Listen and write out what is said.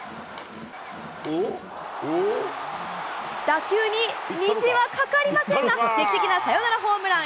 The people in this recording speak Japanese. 打球に虹はかかりませんが、劇的なサヨナラホームラン。